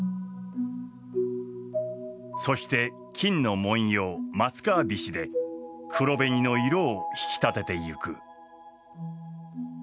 そして金の文様松皮菱で黒紅の色を引き立てていく。